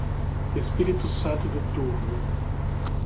Espírito Santo do Turvo